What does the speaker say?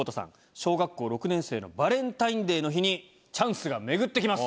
小学校６年生のバレンタインデーの日にチャンスがめぐってきます！